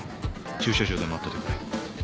駐車場で待っててくれ。